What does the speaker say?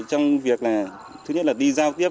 trong việc là thứ nhất là đi giao tiếp